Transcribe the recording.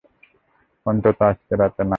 অন্তত, আজকে রাতে না।